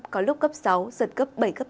có lúc cấp sáu giật cấp bảy cấp tám